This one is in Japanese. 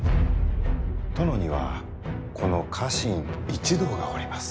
殿にはこの家臣一同がおります。